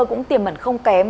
cũng tiềm mẩn không kém